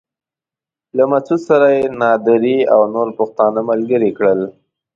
له مسعود سره يې نادري او نور پښتانه ملګري کړل.